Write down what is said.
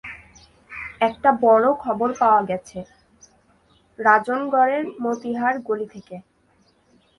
একটা বড় খবর পাওয়া গেছে, রাজনগরের মতিহার গলি থেকে।